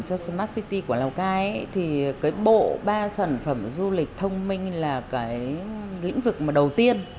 cho smart city của lào cai thì bộ ba sản phẩm du lịch thông minh là lĩnh vực đầu tiên